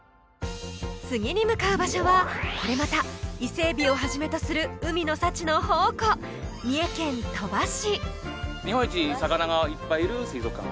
次に向かう場所はこれまた伊勢エビをはじめとする海の幸の宝庫三重県鳥羽市！